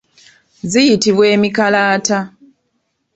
Ziyitibwa emikalaata.